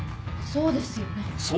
そうですよ。